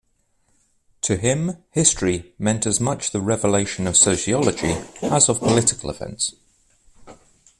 To him, history meant as much the revelation of sociology as of political events.